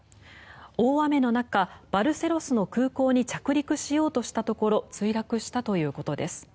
大雨の中、バルセロスの空港に着陸しようとしたところ墜落したということです。